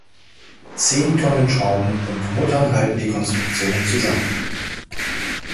Zehn Tonnen Schrauben und Muttern halten die Konstruktion zusammen.